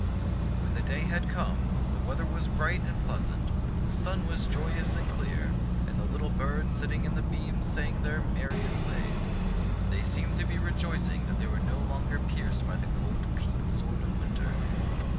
When the day had come, the weather was bright and pleasant, the sun was joyous and clear, and the little birds sitting in its beams sang their merriest lays. They seemed to be rejoicing that they were no longer pierced by the cold, keen sword of winter.